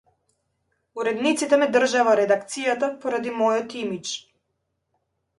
Уредниците ме држеа во редакцијата поради мојот имиџ.